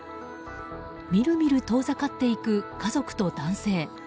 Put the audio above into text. みるみる遠ざかっていく家族と男性。